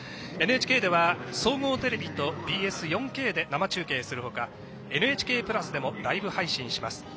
ＮＨＫでは総合テレビとＢＳ４Ｋで生中継するほかＮＨＫプラスでもライブ配信します。